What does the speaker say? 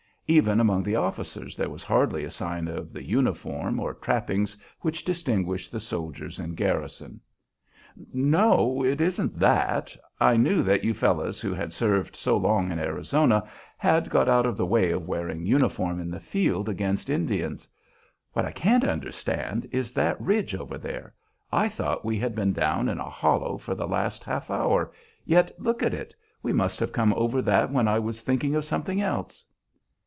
Even among the officers there was hardly a sign of the uniform or trappings which distinguish the soldiers in garrison. "No, it isn't that. I knew that you fellows who had served so long in Arizona had got out of the way of wearing uniform in the field against Indians. What I can't understand is that ridge over there. I thought we had been down in a hollow for the last half hour, yet look at it; we must have come over that when I was thinking of something else."